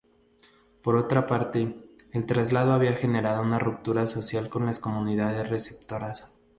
Por otra parte, el traslado había generado una ruptura social con las comunidades receptoras.